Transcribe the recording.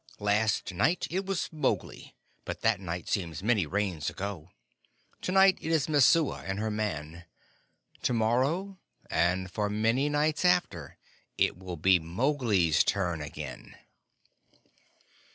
"Last night it was Mowgli but that night seems many Rains ago. To night it is Messua and her man. To morrow, and for very many nights after, it will be Mowgli's turn again."